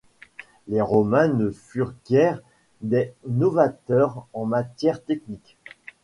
Les Romains ne furent guère des novateurs en matière technique.